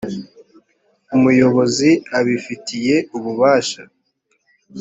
umuyobozi abifitiye ububasha.